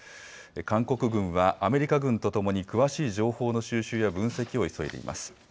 韓国軍は、アメリカ軍とともに詳しい情報の収集や分析を急いでいます。